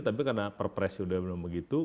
tapi karena perpres sudah belum begitu